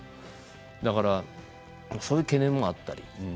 だから、そういう懸念もあった。